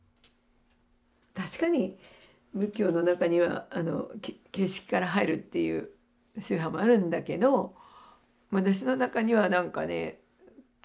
確かに仏教の中には形式から入るっていう宗派もあるんだけど私の中には何かね